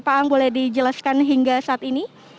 pak ang boleh dijelaskan hingga saat ini